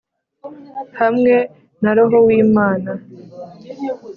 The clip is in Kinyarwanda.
hamwe na roho w’imana